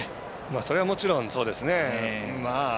そりゃもちろんそうですね。